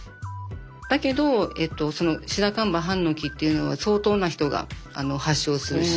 だけどシラカバ・ハンノキっていうのは相当な人が発症するし。